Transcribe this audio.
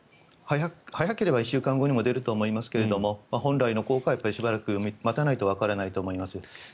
早ければ１週間後にも出ると思いますけれども本来の効果はしばらく待たないとわからないと思います。